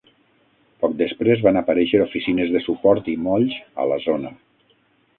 Poc després, van aparèixer oficines de suport i molls a la zona.